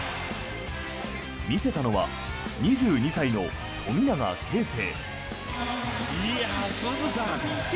見せたのは２２歳の富永啓生。